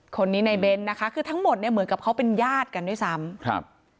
คนนี้ในเบ้นนะคะคือทั้งหมดเนี่ยเหมือนกับเขาเป็นญาติกันด้วยซ้ำครับ